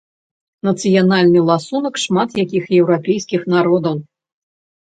Нацыянальны ласунак шмат якіх еўрапейскіх народаў.